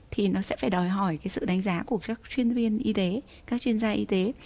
thì nó sẽ phải đòi hỏi cái sự đánh giá của các chuyên viên y tế các chuyên gia y tế